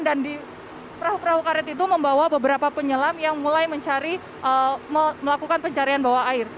dan di perahu perahu karet itu membawa beberapa penyelam yang mulai mencari melakukan pencarian bawah air